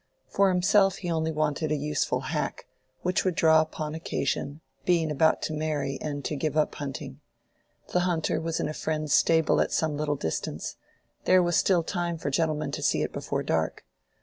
For himself he only wanted a useful hack, which would draw upon occasion; being about to marry and to give up hunting. The hunter was in a friend's stable at some little distance; there was still time for gentlemen to see it before dark.